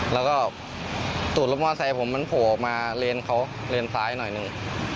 แล้วก็จูดรถมอ๓๔ผมมันผัวมาเลนเขาเลนซ้าไหนหนึ่ง